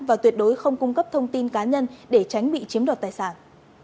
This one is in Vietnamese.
và tuyệt đối không cung cấp thông tin cá nhân để tránh bị chiếm đoạt tài sản